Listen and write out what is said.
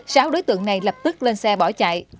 sáu đối tượng này lập tức lên xe bỏ chạy